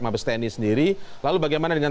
mabes tni sendiri lalu bagaimana dengan